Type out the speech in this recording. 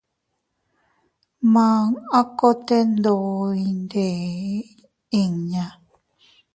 Maan a kote ndo iyndeʼe inña.